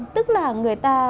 tức là người ta